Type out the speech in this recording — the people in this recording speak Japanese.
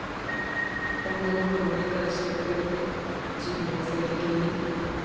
女心を理解してくれるけど自分を性的に見てこない。